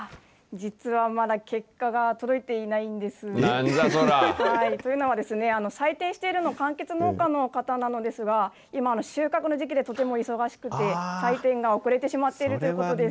実は、まだ結果が届いていななんじゃそりゃ。というのはですね、採点しているのはかんきつ農家の方なんですが、今、収穫の時期でとても忙しくて、採点が遅れてしまっているということです。